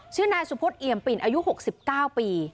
ชื่อนายสุพธิ์เอี่ยมปิ่นอายุ๖๙ปี